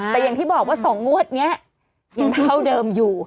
แต่อย่างที่บอกว่า๒งวดนี้ยังเท่าเดิมอยู่